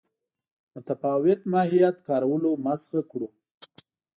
متفاوت ماهیت کارولو مسخه کړو.